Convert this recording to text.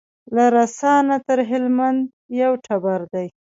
له رسا نه تر هلمند یو ټبر دی